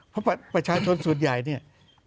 เพราะประชาชนสุดใหญ่